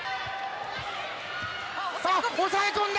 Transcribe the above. さあ、押さえ込んだ。